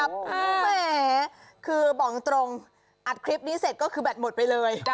แหมคือบอกตรงอัดคลิปนี้เสร็จก็คือแบตหมดไปเลย